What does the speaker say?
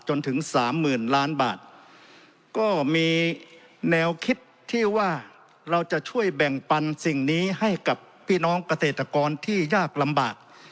จนถึงสามหมื่นล้านบาทก็มีแนวคิดที่ว่าเราจะช่วยแบ่งปันสิ่งนี้ให้กับพี่น้องเกษตรกรที่ยากลำบาก